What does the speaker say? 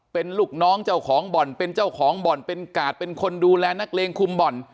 เป็นลูกน้องเจ้าของบ่อนเป็นเจ้าของบ่อนเป็นกาดเป็นคนดูแลนักเลงคุมบ่อน